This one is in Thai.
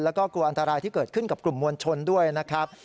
แล้วก็กลัวอันตรายที่เกิดขึ้นกับกลุ่มมวลชนด้วยนะครับ